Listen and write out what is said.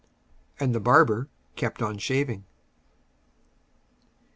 And the barber kept on shaving.